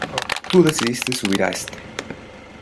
Tú decidiste subir a éste...